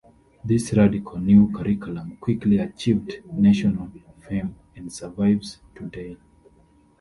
This radical new curriculum quickly achieved national fame and survives today.